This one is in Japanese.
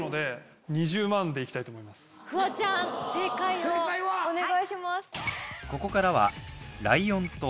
フワちゃん正解をお願いします。